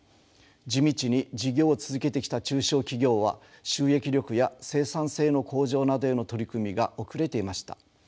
地道に事業を続けてきた中小企業は収益力や生産性の向上などへの取り組みが遅れていました。